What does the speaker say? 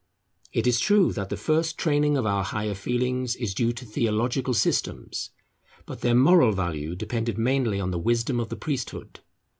It is true that the first training of our higher feelings is due to theological systems; but their moral value depended mainly on the wisdom of the priesthood.